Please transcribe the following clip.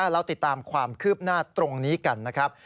เราติดตามความคืบหน้าตรงนี้กันนะครับ